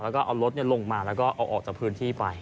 แล้วก็เอารถลงมาแล้วก็เอาออกจากพื้นที่ไป